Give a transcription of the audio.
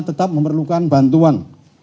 tetap memerlukan bantuan